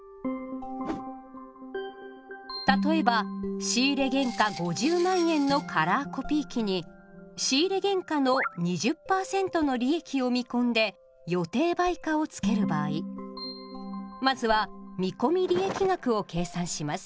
例えば仕入原価５０万円のカラーコピー機に仕入原価の２０％の利益を見込んで予定売価を付ける場合まずは見込利益額を計算します。